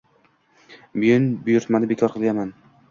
Men buyurtmamni beкоr qilaman.